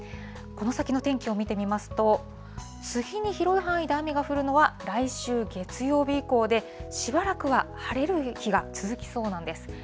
この先の天気を見てみますと、次に広い範囲で雨が降るのは、来週月曜日以降で、しばらくは晴れる日が続きそうなんです。